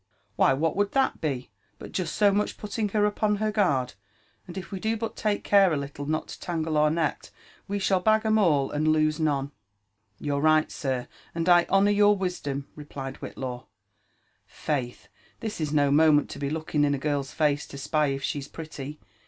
Why, what would tliat be, but jest so much putting her upon her guard ? And i{ we do but take care a little not to tangle our net, we shall bag 'om «U and lose none." '* You're rights sir, and I honour your wisdom," replied Whitlaw. *' Failhl this is no moment to be looking in a girVs face to spy i£ she's pretty.